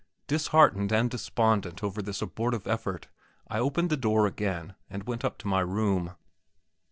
Disheartened and despondent over this abortive effort, I opened the door again, and went up to my room.